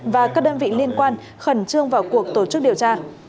và các đơn vị liên quan khẩn trương vào cuộc tổ chức điều tra